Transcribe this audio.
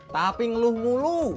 tapi ngeluh mulu